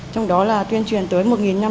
trong đó là tuyên truyền tới một năm trăm